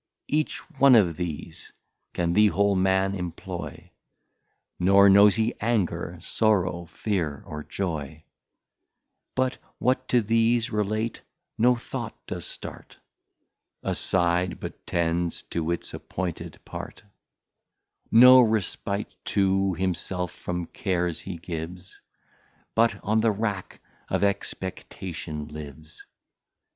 Each one of these can the Whole Man employ, Nor knows he anger, sorrow, fear, or joy, But what to these relate; no Thought does start Aside, but tends to its appointed Part, No Respite to himself from Cares he gives, But on the Rack of Expectation lives.